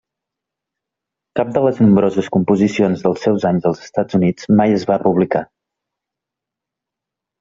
Cap de les nombroses composicions dels seus anys dels Estats Units mai es va publicar.